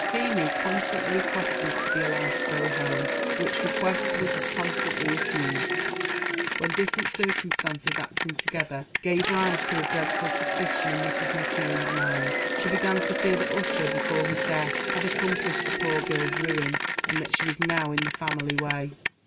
Feemy constantly requested to be allowed to go home, which request was as constantly refused; when different circumstances acting together gave rise to a dreadful suspicion in Mrs. McKeon's mind. She began to fear that Ussher, before his death, had accomplished the poor girl's ruin, and that she was now in the family way.